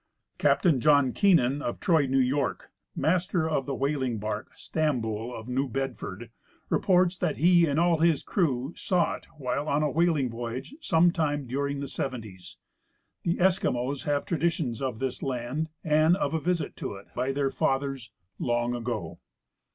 Captain John Keenan, of Troy, New York, master of the whaling bark Stamhoul, of Ncav Bedford, reports that he and all his crew saw it while on a whaling voyage some time during the seventies. The Eskimos have traditions of this land and of a visit to it by their fathers " long ago."